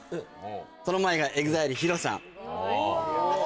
その前がＥＸＩＬＥＨＩＲＯさん・うわ